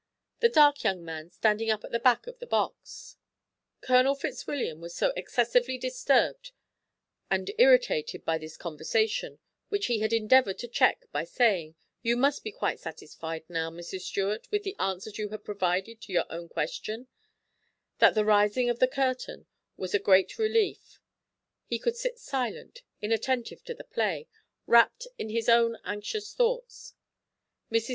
the dark young man standing up at the back of the box." Colonel Fitzwilliam was so excessively disturbed and irritated by this conversation, which he had endeavoured to check by saying: "You must be quite satisfied now, Mrs. Stuart, with the answers you have provided to your own question," that the rising of the curtain was a great relief; he could sit silent, inattentive to the play, wrapped in his own anxious thoughts. Mrs.